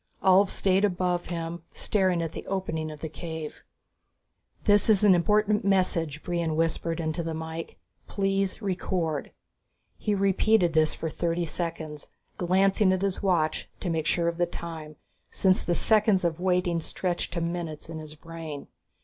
Ulv stayed above him, staring at the opening of the cave. "This is an important message," Brion whispered into the mike. "Please record." He repeated this for thirty seconds, glancing at his watch to make sure of the time, since the seconds of waiting stretched to minutes in his brain.